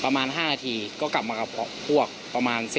ประมาณ๕นาทีกกลับมาพวกประมาณ๑๐คน